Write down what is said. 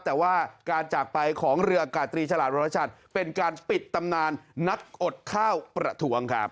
แต่ว่าการจากไปของเรืออากาศตรีฉลาดวรชัดเป็นการปิดตำนานนักอดข้าวประท้วงครับ